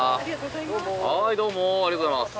はいどうもありがとうございます。